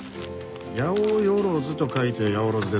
「八百万」と書いて「やおろず」ですか。